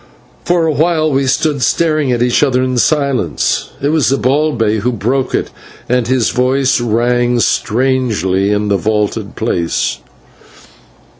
For a while we stood staring at each other in silence. It was Zibalbay who broke it, and his voice rang strangely in the vaulted place.